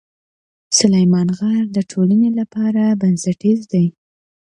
سلیمان غر د ټولنې لپاره بنسټیز دی.